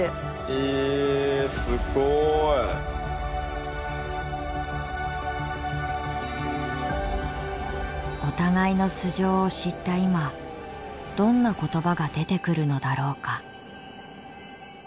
ええすごい！お互いの素性を知った今どんな言葉が出てくるのだろうか。